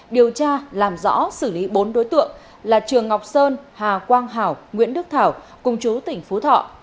điều tra làm rõ xử lý bốn đối tượng là trường ngọc sơn hà quang hảo nguyễn đức thảo cùng chú tỉnh phú thọ